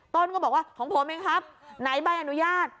ต้นก็บอกว่าของผมเองครับไหนใบอนุญาต